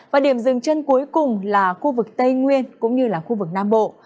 và điểm dừng chân cuối cùng là khu vực tây nguyên cũng như là khu vực nam bộ